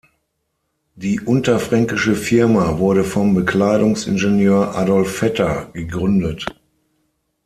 Die unterfränkische Firma wurde vom Bekleidungs-Ingenieur Adolf Vetter gegründet.